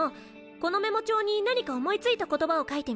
このメモ帳に何か思い付いた言葉を書いてみて。